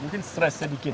mungkin stres sedikit lah